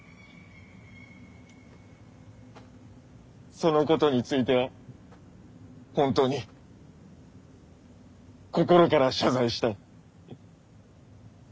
その事については本当に心から謝罪したい。